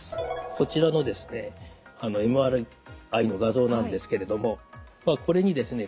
こちらのですねＭＲＩの画像なんですけれどもこれにですね